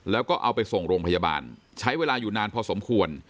แล้วก็เอาไปส่งโรงพยาบาลใช้เวลาอยู่นานพอสมควร